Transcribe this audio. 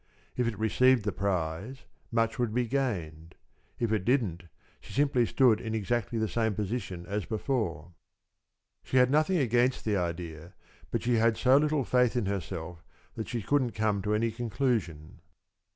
If it received the prize, much would be gained; if it didn't, she simply stood in exactly the same position as before. She had nothing against the idea, but she had so little faith in herself that she couldn't come to any conclusion.